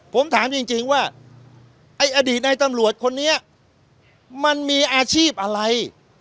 ผมถามจริงว่าไอ้อดีตในตำรวจคนนี้มันมีอาชีพอะไร